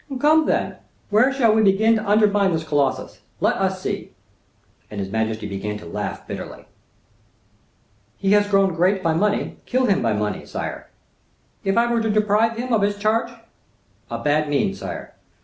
"Come, then, where shall we begin to undermine this Colossus; let us see;" and his majesty began to laugh bitterly. "He has grown great by money; kill him by money, sire." "If I were to deprive him of his charge?" "A bad means, sire."